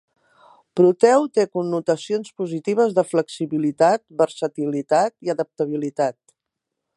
"Proteu" té connotacions positives de flexibilitat, versatilitat i adaptabilitat.